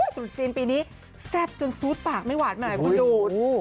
สุดจีนปีนี้แซ่บจนซูดปากไม่หวาดเหมือนไหนคุณดูด